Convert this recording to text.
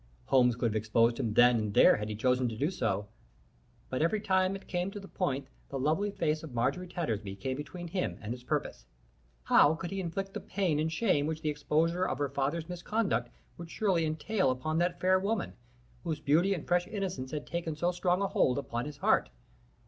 Holmes could have exposed him then and there had he chosen to do so, but every time it came to the point the lovely face of Marjorie Tattersby came between him and his purpose. How could he inflict the pain and shame which the exposure of her father's misconduct would certainly entail upon that fair woman, whose beauty and fresh innocence had taken so strong a hold upon his heart?